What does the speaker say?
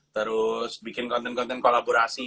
terus bikin konten konten kolaborasi